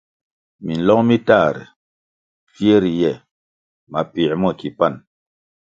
Minlong mi tahre, mpfie ri ye mapiē mo ki pan.